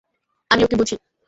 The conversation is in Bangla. আমি ওকে বুঝি।